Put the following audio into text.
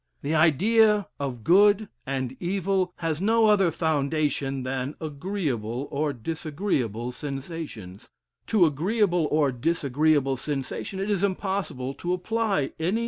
The idea of good and evil has no other foundation than agreeable or disagreeable sensations; to agreeable or disagreeable sensation it is impossible to apply any.